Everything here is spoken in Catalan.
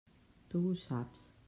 Tu ho saps.